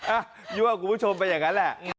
อ่ะยุ่งกับคุณผู้ชมเป็นอย่างงั้นแหละ